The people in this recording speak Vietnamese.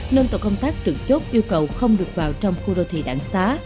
nên tổ công tác trực chốt yêu cầu không được vào trong khu đô thị đạn xá